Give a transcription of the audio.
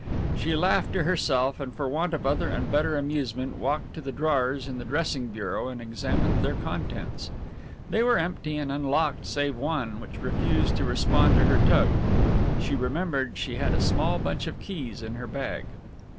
She laughed to herself and for want of other and better amusement walked to the drawers in the dressing bureau and examined their contents. They were empty and unlocked save one, which refused to respond to her tug. She remembered she had a small bunch of keys in her bag.